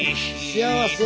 幸せ。